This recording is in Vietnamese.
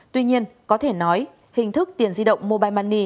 tuy nhiên có thể nói hình thức tiền di động mobile money